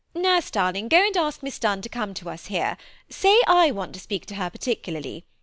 Nurse, darling: go and ask Miss Dunn to come to us here. Say I want to speak to her particularly.